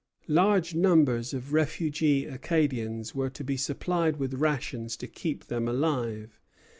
Large numbers of refugee Acadians were to be supplied with rations to keep them alive.